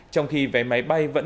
trong khi vé máy bay và máy tăng mạnh